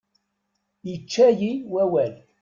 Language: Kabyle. Ičča-yi wawal.